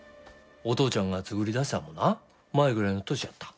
お父ちゃんが作りだしたんもな舞ぐらいの年やった。